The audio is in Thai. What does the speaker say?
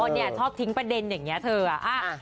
อ๋อเนี่ยชอบทิ้งประเด็นอย่างเงี้ยเธออ่ะอ่า